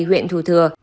huyện thủ thừa